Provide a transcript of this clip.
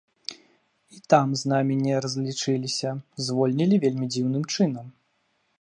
І там з намі не разлічыліся, звольнілі вельмі дзіўным чынам.